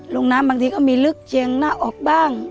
ลงน้ำบางทีก็มีลึกเจียงหน้าออกบ้าง